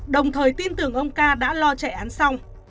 đồng thời tin tưởng ông ca đã lo chạy án xong